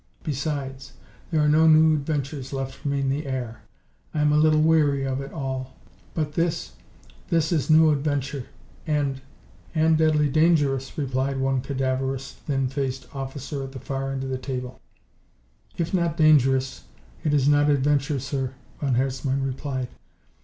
Besides, there are no new adventures left for me in the air. I am a little weary of it all. But this this is new adventure and " "And deadly dangerous," reminded the cadaverous, thin faced officer at the far end of the table. "If not dangerous, it is not adventure, sir," von Herzmann replied.